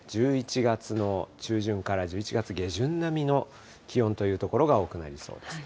１１月の中旬から１１月下旬並みの気温という所が多くなりそうです。